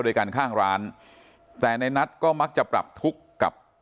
ด้วยกันข้างร้านแต่ในนัทก็มักจะปรับทุกข์กับ